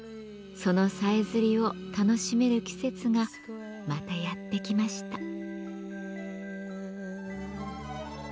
そのさえずりを楽しめる季節がまたやって来ました。